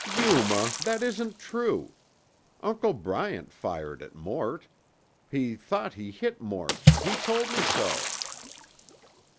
"Yuma, that isn't true. Uncle Bryant fired at Mort. He thought he hit Mort; he told me so."